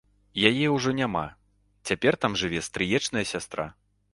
Яе ўжо няма, цяпер там жыве стрыечная сястра.